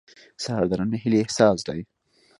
سهار د نرمې هیلې احساس دی.